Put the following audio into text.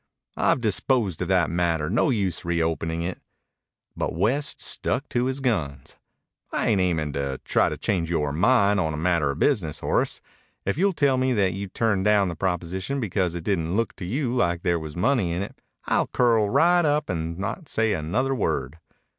"I've disposed of that matter. No use reopening it." But West stuck to his guns. "I ain't aimin' to try to change yore mind on a matter of business, Horace. If you'll tell me that you turned down the proposition because it didn't look to you like there was money in it, I'll curl right up and not say another word."